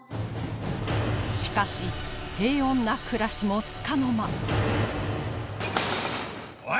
しかし平穏な暮らしもつかの間おい！